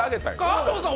加藤さん